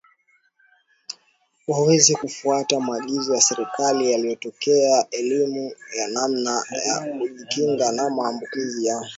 waweze kufuata maagizo ya Serikali yanayotoa elimu ya namna ya kujikinga na maambukizi ya